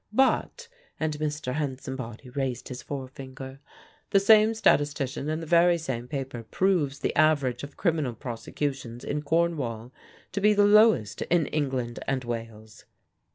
But" and Mr. Hansombody raised his forefinger "the same statistician in the very same paper proves the average of criminal prosecutions in Cornwall to be the lowest in England and Wales."